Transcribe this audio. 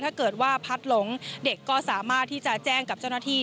ถ้าเกิดว่าพัดหลงเด็กก็สามารถที่จะแจ้งกับเจ้าหน้าที่